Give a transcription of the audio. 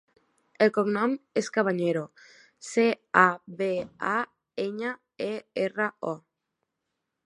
El cognom és Cabañero: ce, a, be, a, enya, e, erra, o.